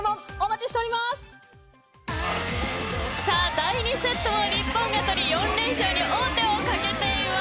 第２セットも日本が取り４連勝に王手をかけています。